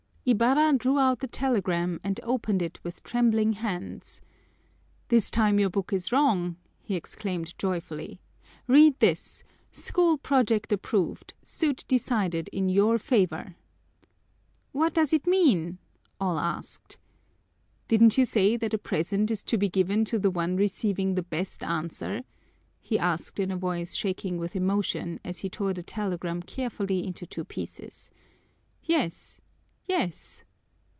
Ibarra drew out the telegram and opened it with trembling hands. "This time your book is wrong!" he exclaimed joyfully. "Read this: 'School project approved. Suit decided in your favor.'" "What does it mean?" all asked. "Didn't you say that a present is to be given to the one receiving the best answer?" he asked in a voice shaking with emotion as he tore the telegram carefully into two pieces. "Yes, yes!"